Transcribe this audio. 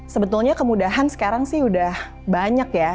sebetulnya kemudahan sekarang sih udah banyak ya